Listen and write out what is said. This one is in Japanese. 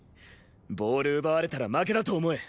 ボール奪われたら負けだと思え！